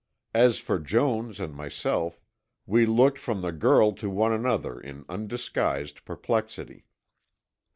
As for Jones and myself, we looked from the girl to one another in undisguised perplexity.